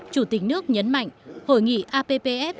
chủ tịch nước nhấn mạnh hội nghị appf